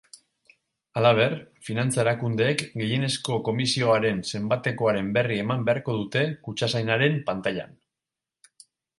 Halaber, finantza erakundeek gehienezko komisioaren zenbatekoaren berri eman beharko dute kutxazainaren pantailan.